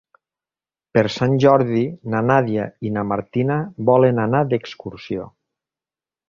Per Sant Jordi na Nàdia i na Martina volen anar d'excursió.